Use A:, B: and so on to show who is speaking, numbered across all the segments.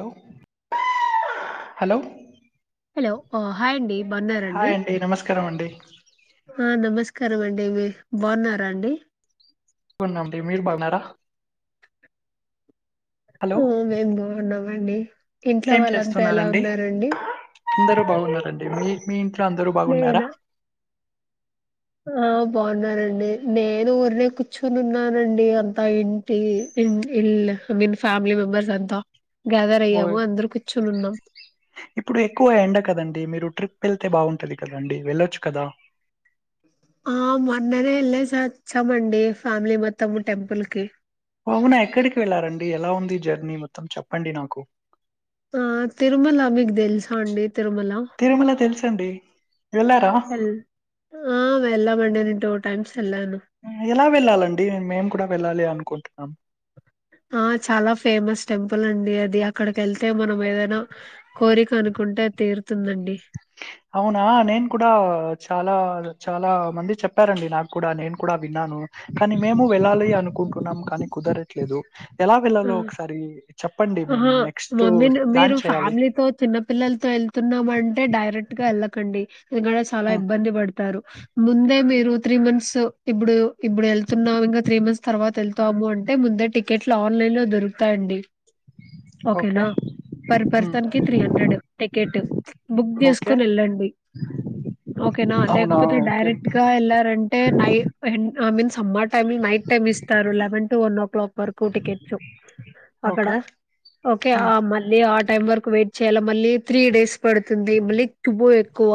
A: Hello hello
B: hello ఓ hi అండి బన్నారంండి
A: హాయ్ అండి నమస్కారం అండి
B: ఆ నమస్క కరమండి మీ బాగున్నారా అండి
A: కో నాం ర మీరు బాగునారా
B: ఆ మేమ్ బాగున్నమ్ అండి
A: ఏం చేస్తున్నారండి అందరు బాగున్నారండి మీ మీ ఇంట్లో అందరూ బాగున్నారా
B: నేనా ఆ బాగున్నానండి నేను ఊరినే కూర్చుని ఉన్నానండి అంతా ఇంటి ఇల్ ఐ మీన్ ఫ్యామిలీ మెంబర్స్ అంతా గ్యాదర్ అయ్యాము
A: ఓహ్య్
B: అందరు కూర్చుని ఉన్నాం
A: ఇప్పుడు ఎక్కువ ఎండ కదండి మీరు ట్రిప్ వెళ్తే బాగుంటుంది కదండి వెళ్ళొచ్చు కదా
B: ఆ మొన్ననే వెళ్ళ చ వచ్చామండి ఫ్యామిలీ మొత్తము టెంపుల్ కి
A: అవునా ఎక్కడికి వెళ్ళారంండి ఎలా ఉంది జర్నీ మొత్తం చెప్పండి నాకు
B: ఆ తిరుమల మీకు తెలుసా అండి తిరుమలా
A: సండి
B: ఎల్ ఆ వెళ్ళమండి నింటోట్ టైమ్స్ వెళ్ళాను
A: ఉమ్ ఎలా వెళ్ళాలండి మేమ్ కూడా వెళ్ళాలి అనుకుంటున్నాం
B: ఆ చాలా ఫేమస్ టెంపుల్ అండి అది అక్కడికి వెళ్తే మనం ఏదైనా కోరిక అనుకుంటే అది తీరుతుంది అండి
A: అవునా నేన్ కూడా చాలా చాలా మంది చెప్పారండి నాకు కూడా నేను కూడా విన్నాను కానీ మేము వెళ్ళాలి అనుకుంటున్నాం కానీ కుదరట్లేదు ఎలా
B: ఆ
A: వెళ్ళాలో ఒకసారి చెప్పండి. మేము
B: ఆహా
A: నెక్స్ట్
B: మమ్మీ మీరు
A: ప్లాన్ చేయాలి.
B: ఫ్యామిలీతో చిన్న పిల్లలతో వెళ్తు ఉన్నామంటే డైరెక్ట్ గా వెళ్ళకండి ఇక్కడ చాలా
A: హ్మ్.
B: ఇబ్బంది పడుత్ తారు ముందే మీరు త్రీ మంత్స్ ఇప్పుడు ఇప్పుడు వెళ్తున్నా ఇంకా త్రీ మంత్స్ తర్వాత వెళ్తాము అంటే ముందే టికెట్లు ఆర్డ్ లె లో దొరుకుతాయండి
A: ఓకే.
B: ఓకేనా పర్
A: హ్మ్.
B: పర్సన్ కి three hundred ticket book
A: okay.
B: చేసుకుొని వెళ్ళండి ఓకేనా
A: అవునా!
B: లేకపోతే
A: ఓకే.
B: డైరెక్ట్గా వెళ్ళారంటే నైట్ ఎన్ ఐ మీన్ అమ్మ టైల్ నైట్ టైమ్ ఇస్తారు eleven to one o'clock వరకు చోప్ అక్కడ
A: ఓకే.
B: Okay
A: hmm.
B: ఆ మళ్ళీ ఆ టైం వరకు వెయిట్ చేయాల మళ్ళీ త్రీ డేస్ పడుతుంది మళ్ళీ క్యూబో ఎక్కువ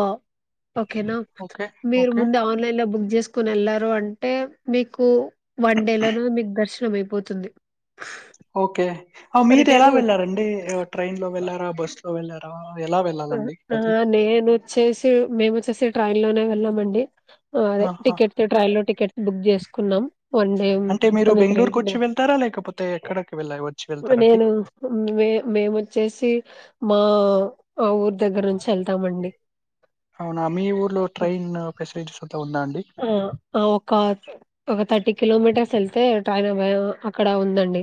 B: ఓకేనా
A: ఓకే.
B: మీరు
A: ఓకే.
B: ముందు ఆన్లైన్ లో బుక్ చేసుకోని వెళ్లారు అంటే మీకు వన్ డే లోన మీకు దర్శనం అయిపోతుంది
A: ఓకే మీరు ఎలా
B: రిటర్న్ వచ్చి
A: వెళ్లారండి ట్రైన్ లో వెళ్లారా బస్ లో ఇ వెళ్లార
B: ఆ నేను వచ్చేసి మేము వచ్చేసి టై లోనే వెళ్ళామండి అదే
A: ఆహా!
B: టికెట్ ట్రై లో టికెట్స్ బుక్ చేస్తా కున్నాం వన్ డే
A: అంటే మీరు
B: ఆ త్రీడే
A: బెంగుళూరుకొచ్చి వెళ్తారా? లేకపోతే ఎక్కడికి వెళ్ళా వచ్చి వెళ్తారండి?
B: నేను మే మేముొచ్చేసి మా ఆ ఊరు దగ్గర నుంచి ఎళ్తామండి
A: అవునా మీ ఊర్లో ట్రైన్ పసెలిటీస్ ఉ
B: ఆ ఒక ఒక థర్టీ కిలోమీటర్స్ వెళ్తే ట్రైన్ అవేల్ అక్కడ ఉందండి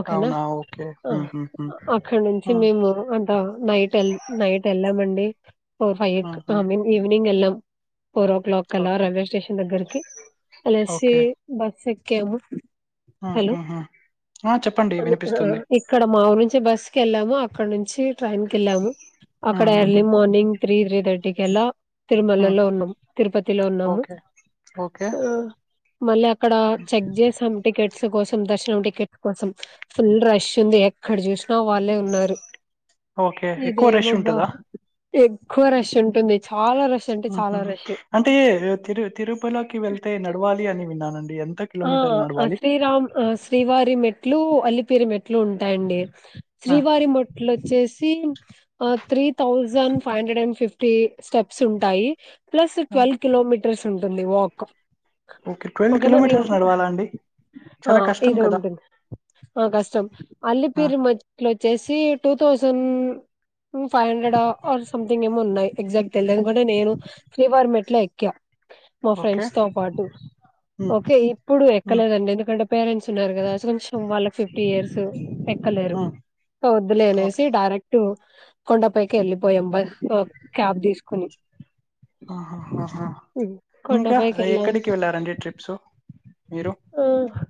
B: ఓకేనా
A: అవునా ఓకే
B: ఆ
A: ఉహు హు
B: అక్కడ నుంచి
A: ఆ
B: మేము అంట నైటె ల్ నైట్ వెళ్ళామండి. ఫోర్ ఫైవ్ క్
A: ఆహా
B: మేమ్ ఈవినింగ్ ఎల్లామ్ పోరోగ్ కల్ల
A: ఓకే
B: రైల్వే స్టేషన్ దగ్గరకి వెళ్ళేసి
A: ఓకే
B: బస్ ఎక్కి కేవ్వు హలో
A: ఉహుహు ఆ చెప్పండి వినిపిస్తుంది
B: ఇక్కడ మా ఊరు నుంచి బస్ వెళ్ళాము అక్కడ నుంచి ట్రైన్ కి వెళ్ళాము అక్కడ
A: ఉహుహు
B: ఎర్లీ మార్నింగ్ తీ త్రీధర్టకి కల్లా
A: ఉ
B: తిరుమలలో ఉన్నాం తిరుపతి. తిలో ఉన్నాము
A: ఓకే ఓకే
B: అ మళ్ళి అక్కడ చెక్క్ చేశారు టికెట్స్ కోసం దర్శనం టికెట్స్ కోసం ఫుల్ రష్ ఉంది ఎక్కడ చూసినా వాళ్ళే ఉన్నారు.
A: ఓకే ఎక్కువ రష్
B: ఇదేమబ్బా
A: ఉంటదా
B: ఎక్కువ రష్ ఉంటుంది చాలా రష్ అంటే చాలా
A: ఉహుహు
B: రష్
A: అంటే తిరు తిరుపలకి వెళ్తే నడవా వాలి అని విన్నాన అండి
B: ఆ శ్రీరామ్ శ్రీవారి మెట్లు అలిపిరి మెట్లు ఉంటాయండి
A: ఆ
B: శ్రీవారి మొట్లు వచ్చేసి three for three thousand five hundred న్ ఫిఫ్టీన్ స్టెప్స్ ఉంటాయి ప్లస్
A: ఆ
B: ట్వల్ కిలోమీటర్ స్ట్రెస్ ఉంటుంది వాక్
A: ఓకే ట్వల్
B: ఓకేనా? ఇం
A: కిలోమీటర్స్ నడవాలా అండి
B: ఆ
A: చాలా కష్టం
B: ఇది
A: కదా
B: ఉంటుంది ఆ కష్టం
A: ఆ
B: అలిపిరి మెట్లు వచ్చేసి two thousand five hundred or something ఏమో ఉన్నాయి ఎగ్జాక్ట్ తెలిదు ఎందుకంటే నేను శ్రీ వారి మెట్లే ఎక్కా మా
A: ఓకే
B: ఫ్రెండ్స్ తో పాటు
A: ఉ
B: ఓకే ఈ ఎప్పుడు
A: ఉ
B: ఎక్కలేదు అండి ఎందుకంటే పేరెంట్స్ ఉన్నారు కదా సో వాళ్ళకి ఫిఫ్టి ఇయర్స్ ఎక్కలేరు
A: ఉ
B: సో వద్దులే
A: ఓకే
B: అనేసి డైరెక్ట్ అప్పుడు కొండపైకి వెళ్ళిపోయాం బై క్యాబ్ తీసుకుని
A: ఆహా ఆహా ఇంకా ఎక్కడికి వెళ్లారండి ట్రిప్స్ మీరు
B: అహా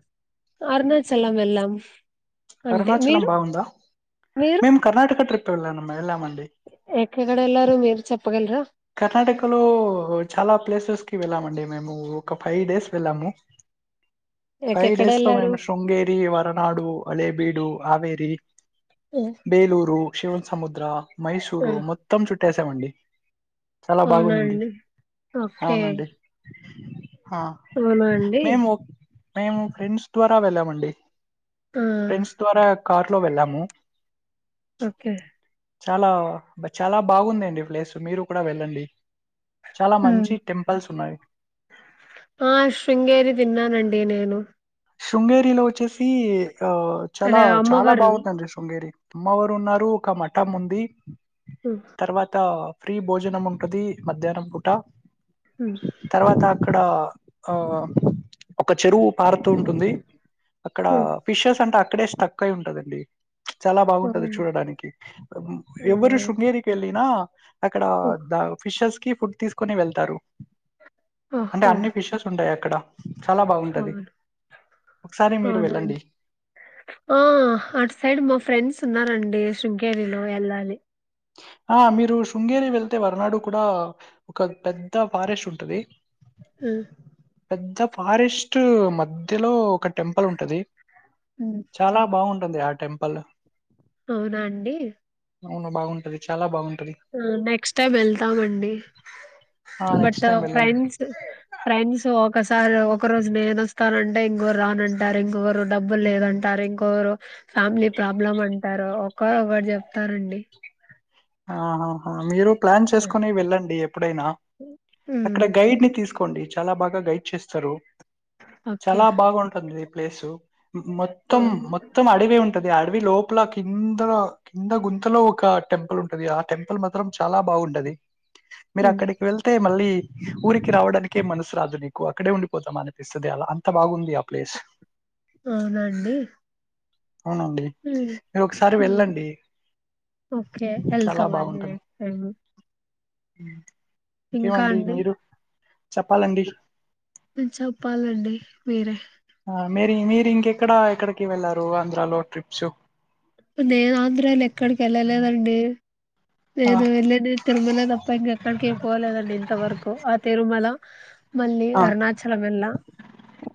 B: అరుణాచలం వెళ్ళాం అంతే.
A: అరుణాచలం
B: మీరు?
A: బాగుందా మీమ్ కర్ణాటక ట్రిప్. కి వెళ్లాను
B: ఎక్కడ వెళ్లారు మీరు చెప్పగలరా.
A: కర్ణాటకలో చాలా ప్లేసెస్ కి వెళ్ళామండి మేము ఒక ఫైవ్ డేస్ వెళ్ళాము. ఫైవ్ డేస్ లో
B: ఎక్కడెళ్లారు?
A: మేము శృంగేరి వరనాడు అలేబీడు. కావేరి
B: ఆ!
A: బేలూరు శివం సముద్రా
B: ఆ!
A: మైసూరు మొత్తం చుట్టేస్తా చ్చామండి చాలా
B: అవునా
A: బాగున్నింది
B: అండి?
A: అవునండి. ఆ
B: వునండి
A: మేము మేము ఫ్రెండ్స్ ద్వారా వెళ్ళమ్ అండి
B: ఆ!
A: ఫ్రెండ్స్ ద్వారా కార్ లో వెళ్ళాము
B: ఓకే
A: చాలా బ చాలా బాగుందండి ప్లేస్ మీరు కూడా వెళ్ళండి చాలా
B: హు
A: మంచి టెంపుల్స్ ఉన్నాయి
B: ఆ శృంగేరి విన్నానండి నేను
A: శృంగేరిలో వచ్చేసి హ చాలా
B: అదే
A: చాలా
B: అమ్మవారు.
A: బాగుందండి శృంగేరి అమ్మవారు ఉన్నారు ఒక మఠం ఉంది.
B: హ్మ్.
A: తర్వాత ఆ ఫ్రీ భోజనం ఉంటది మధ్యాహ్నం పూట
B: హ్మ్.
A: తర్వాత అక్ అక్కడ ఆ ఒక చెరువు పార్త ఉంటుంది అక్కడ
B: హ్మ్.
A: ఫిషెస్ అంతా అక్కడే స్టక్ అయి ఉంటదండి చాలా బాగుంటది
B: అవును
A: చూడటానికి
B: అవునా
A: ఎవరు శృంగేరికి వెళ్ళినా [inaudible] అక్కడ దా ఫిషెస్ కి ఫుడ్ తీసుకొని వెళ్తారు అంటే
B: ఓహో
A: అన్ని ఫిషెస్ ఉంటాయా అక్కడ చాలా బాగుంటది
B: అవును
A: ఒకసారి మీరు
B: అవునండి
A: వెళ్ళండి.
B: ఆ అట్ సైడ్ మా ఫ్రెండ్స్ ఉన్నారు అండి శృంగేరిలో ఎల్లాలి
A: ఆ మీరు శృంగేరి వెళ్తే వరనాడు కూడా ఒక పెద్ద ఫారెస్ట్ ఉంటది
B: హ్మ్
A: పెద్ద ఫారెస్ట్ మధ్యలో ఒక టెంపుల్ ఉంటది
B: ఉమ్,
A: చాలా బాగుంటుంది ఆ టెంపల్
B: అవునా అండి
A: అవును బాగు అది చాలా బాగుంది
B: హ నెక్స్ట్ టైమ్ వెళ్తామండి
A: ఆ!
B: బట్
A: నెక్స్ట్ టైమ్ వెళ్ళండి.
B: ఫ్రెండ్స్ ఫ్రెండ్స్ ఒకసారి ఒక రోజు నేనుొస్తానంటే ఇంకొరు రానంటారు ఇంకొరు డబ్బులు లేదంటారు ఇంకొరు ఫ్యామిలీ ప్రాబ్లమ్ అంటారు ఒకరు ఒకటి చెప్తారండి
A: ఆహాహా మీరు ప్లాన్
B: ఆ,
A: చేసుకొని వెళ్ళండి ఎప్పుడైనా
B: ఉమ్,
A: అక్కడ గైడ్ ని తీసుకోండి చాలా బాగా గైడ్ చేస్తారు
B: ఓకే
A: చాలా బాగా ఉంటుంది ప్లేసు మొత్తం
B: అవును
A: మొత్తం అడవి ఉంటది అడవి లోపల కింద కింద గుంతలో ఒక టెంపుల్ ఉం ది ఆ టెంపుల్ మాత్రం చాలా బాగుంటది మీరు
B: ఉమ్,
A: అక్కడికి వెళ్తే మళ్ళీ ఊరికి రావడాకే మనసు రాదు నీకు. అక్కడే ఉండిపోతాం అనిపిస్తుంది. అలా అంత బాగుంది ఆ ప్లేస్.
B: అవునండి
A: అవునండి
B: ఉమ్,
A: మీరు ఒకసారి వెళ్ళండి
B: ఎల్ తమండి టై
A: హ
B: ఇంకా అండి
A: చెప్పాలండి
B: చెప్పాలండి మీరే
A: ఆ మీరి మీరు ఇంకెక్కడ ఎక్కడికి వెళ్ళారు? ఆంధ్రాలో ట్రిప్స్.
B: నేను ఆంధ్రాలో ఎక్కడికి వెళ్ళలేదండి
A: ఆ
B: నేను వెళ్ళడి తిరుమల తప్ప ఇంకా ఎక్కడిక పోలేదండి ఇంతవరకు ఆ తిరుమల. మళ్ళీ
A: ఆ
B: అరుణాచలంమెలా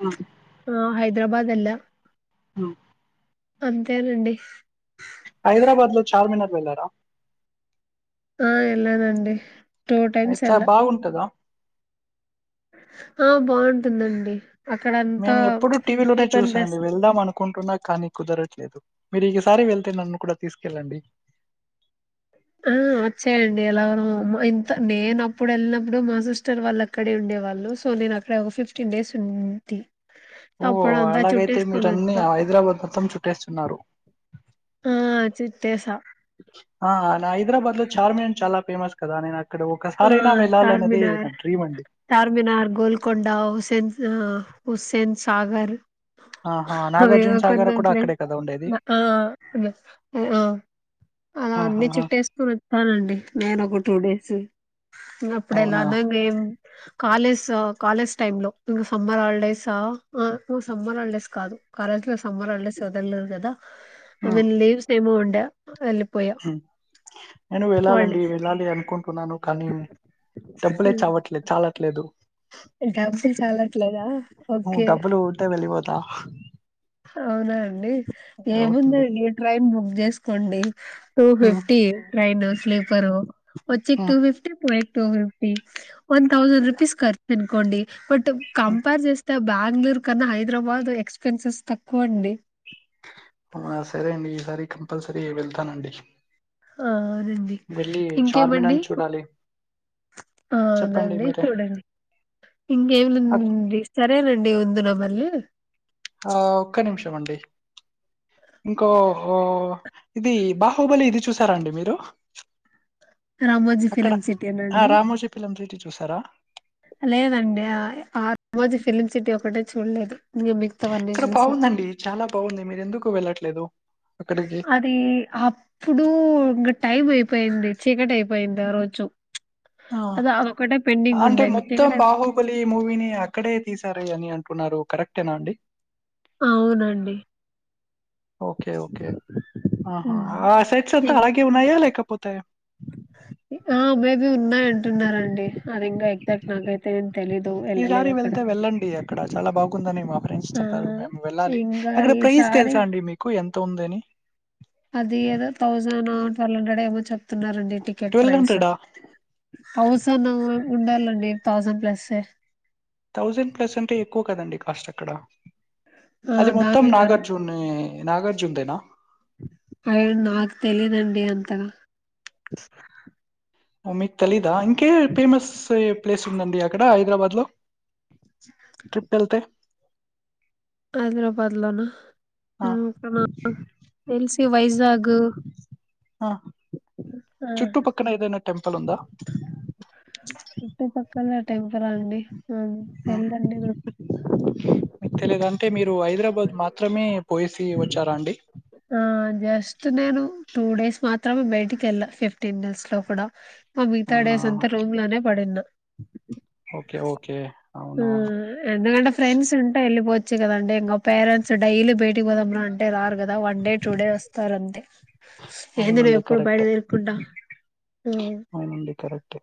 A: ఉమ్,
B: ఆహ్ హైదరాబాద్ ఏళ్ల
A: ఆహ్
B: అంతేనండీ
A: హైదరాబాద్ లో చార్మినార్ వెళ్ళారా?
B: ఆహ్ ఎలానండి
A: ఆహ్ చ బాగుంటదా!
B: ఆహ్ బావుంటుందండి అక్కడంతా
A: మేము ఎప్పుడు టీవీ లోనే
B: చీప్ అండ్
A: చూసాను
B: బెస్ట్
A: వెళ్దాం అనుకుంటున్నా. కానీ కుదరట్లేదు మీరు ఈసారి వెళ్తే నన్ను కూడా తీస్కెళ్ళండి.
B: ఆహ్ వచ్చేయండి. ఎలానో అమ్మ ఇంత నేను అప్పుడు వెళ్ళినప్పుడు మా సిస్టర్ వాళ్ళు అక్కడే ఉండేవాళ్ళు. సో నేను అక్కడ ఒక ఫిఫ్టీన్ డేస్ ఉంటీ.
A: ఓహో అలాగైతే మీరు అన్నీ
B: వచ్చాం
A: ఆహ్ హైదరాబాద్ మొత్తం చుట్టేస్తున్నారు.
B: తెసా
A: ఆహ్ హైదరాబాద్ లో చార్మినార్ చాలా ఫేమస్ [inaudible] ఒకసారైనా
B: ఆహ్
A: వెళ్ళాలన్నది నా
B: చార్మినార్
A: డ్రీమ్ అండి.
B: చార్మినార్ గోల్కొండ హుసెన్ స హుస్సెన్ సాగర్
A: ఆహా! 'నాగార్జున
B: అవ్వేవి
A: సాగర్' కూడా
B: కొనధ్లే
A: అక్కడే కదా ఉండేది?
B: ఆహ్ అహ్ అలా అని
A: ఆహాహా!
B: చుట్టేసుకొని ఒఛన్అండి నేను ఒక టూ డేస్. [inaudible] ఉన్నపుడు
A: అవునా?
B: ఎలానో గే కాలేజ్ కాలేజ్ టైమ్ లో ఇంకా సమ్మర్ హాలిడేస్ ఆహ్ నాకు సమ్మర్ హాలిడేస్ కాదు. కాలేజ్ లో సమ్మర్ హాలిడేస్ వదలలేదు కదా. ఆమె లీవ్స్ ఏమో ఆం [inaudible]
A: హమ్ నేను వెళ్ళాలండి వెళ్ళాలి అనుకుం కున్నాను కానీ డబ్బులే చవట్లే చాలట్లేదు
B: డబ్బులు చాలట్లేదా
A: హ్మ్మ్
B: ఓకే
A: డబ్బులు ఉంటే వెళ్లిపోతా
B: అవునా అండి ఏముంది
A: అవునండి.
B: అండి ట్రైన్ బుక్ చేసుకోండి టూ
A: హ్మ్.
B: ఫిఫ్టీ ట్రైన్ స్లీపరు వచ్చేక్ టూ
A: హ్మ్.
B: ఫిఫ్టీ పోయే two fifty one thousand rupees కాడ్తు కోండి బట్ కంపేర్ చేస్తే బెంగళూరు కన్నా హైదరాబాద్ ఎక్స్పెన్సెస్ తక్కువ అండి
A: అవునా? సరే అండి. ఈసారి కంపల్సరీ వెళ్తానండి
B: హ అదండి
A: వెళ్ళి
B: ఇంకేమండి
A: 'చార్మినార్‌ని' చూడాలి. చెప్పండి
B: అవునండి
A: మీరే.
B: చూడండి
A: అక్
B: ఇంకేమిండి సరేనండి రబర్లే
A: ఆ ఒక్క నిమిషం అండి ఇంకో హో ఇది బాహుబలి ఇది చూసారండి మీరు
B: రామోజీ
A: అక్కడ
B: ఫిలిం
A: ఆ
B: సిటీనండి
A: రామోజీ ఫిలిం సిటీ చూసారా
B: లేదండి ఆ ఆ రామాజీ ఫిలిం సిటీ ఒకటే చూడలేదు ఇంక మిగతావన్నీ
A: ఇక్కడ
B: చూసా
A: బాగుందండి చాలా బాగుంది మీరు ఎందుకు వెళ్ళట్లేదు అక్కడికి
B: అది అప్పుడు టైమ్ అయిపోయింది చీకటి అయిపోయింది ఆ రోజు
A: ఆ
B: అది అదొక్కటే పెండింగ్
A: అంటే
B: ఉండే ఇంగ
A: మొత్తం
B: చీకటి అయి
A: బాహుబలి మూవీని అక్కడే తీసార అని అంట అంటున్నారు కరెక్టేనా అండి
B: అవునండి
A: ఓకే ఓకే ఆహ
B: హ్మ్.
A: ఆసెట్స్ అంతా
B: ఇం
A: అలాగే ఉన్నాయా లేకపోతే
B: ఇవి ఉన్నాయి అంటున్నారండి అది ఇంకా బట్ నాకైయితే ఏం తెలీదు
A: ఈసారి
B: ఎళ్ళలేదు అక్కడ.
A: వెళ్తే వెళ్ళండి అక్కడ చాలా బాగుందని మా ఫ్రెండ్స్
B: ఆ!
A: చెప్పారు మేము వెళ్ళాలి
B: ఇంగా ఈసారి పర్ల్ ఉండడే కూచ్చో తున్నారండి టికెట్
A: ట్వెల్వ్
B: ప్రైస్
A: హండ్రెడా
B: అవుసు నువు ఉండాలండి thousand plus a
A: thousand plus అంటే ఎక్కువ కదండి కాస్ట్ అక్కడ
B: ఆ!
A: అది మొత్తం
B: దానికే గారు
A: నాగార్జున్ ఏ నాగర్జున్ దేనా
B: అయిన నాకు తెలిదండి అంతగా
A: మమ్మీ తలీదా ఇంకే ఫేమస్ ఎ ప్లేస్ ఉందండి అక్కడ హైదరాబాద్ లో ట్రిప్టల్ తే
B: హైదరాబాద్ లోనా
A: ఆ
B: ఉ ఎల్సి వైజాగ్
A: ఆ చుట్టుపక్కన ఏదైనా టెంపుల్ ఉందా
B: చుట్టుపక్కల టెంపుల్ అండి ఆ తెల్దండి నాకు
A: మీకు తెలియదుంటే మీరు హైదరాబాద్ మాత్రమే పోయేసి వచ్చారా అండి
B: ఆ జస్ట్ నేను టూ డేస్ మాత్రమే బయటికి వెళ్ళ ఫిఫ్టీన్ డేస్ లో కూడా త
A: అవునా
B: డేస్ అంత రూమ్ లోనే పడిన్నా
A: ఓకే ఓకే అవునా
B: ఆ ఎకంట ఫ్రెండ్స్ ఉంటా వెలిపో ఇచ్చ్ కదండి ఇంకా పేరెంట్స్ డైలీ బయటికి పోదాం రండి అంటే రారు కదా వన్ డే టూ డే వస్తారు అంతే ఏంది నువ్వు
A: అవునండి
B: ఎప్పుడు బయట
A: కరెక్టే
B: తిరుకుంటా
A: అవునండి కరెక్ట్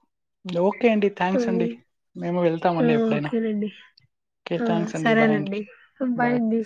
A: నువు ఓకే అండి
B: ఆ
A: థ్యాంక్స్ అండి మేము వెళ్
B: ఆ ఓకేనండి ఆ
A: థ్యాంక్స్ అండి బాయ్ అండి
B: సరేనండి బాయ
A: బాయ్
B: అండి